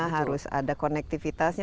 harus ada konektivitasnya